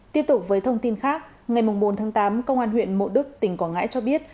tiếp tục với thông tin khác ngày bốn tháng tám công an huyện mộ đức tỉnh quảng ngãi cho biết